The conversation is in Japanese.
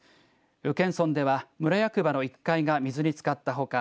宇検村では村役場の１階が水につかったほか